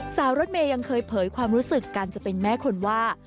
รถเมย์ยังเคยเผยความรู้สึกการจะเป็นแม่คนว่า